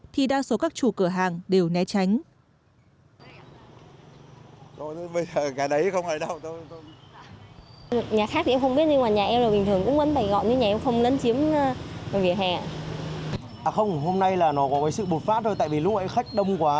thì đa số các chủ cửa hàng ở đây đã bày bán hàng hóa